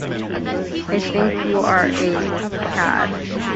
I think you are a cad.